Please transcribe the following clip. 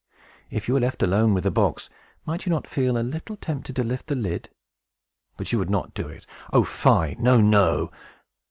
If you were left alone with the box, might you not feel a little tempted to lift the lid? But you would not do it. Oh, fie! No, no!